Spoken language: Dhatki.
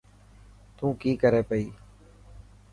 تون ڪي ڪري پئي.